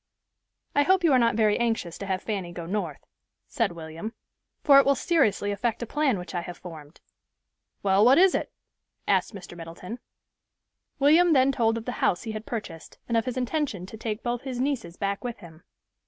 "I hope you are not very anxious to have Fanny go North," said William; "for it will seriously affect a plan which I have formed." "Well, what is it?" asked Mr. Middleton. William then told of the house he had purchased, and of his intention to take both his nieces back with him.